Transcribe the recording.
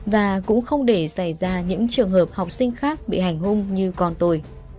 và cũng không để xảy ra những trường hợp học sinh khác bị hành hung như con tôi